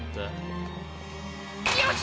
よし！